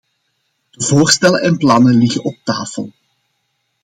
De voorstellen en plannen liggen op tafel.